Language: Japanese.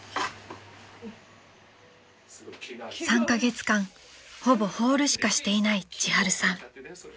［３カ月間ほぼホールしかしていない千春さん］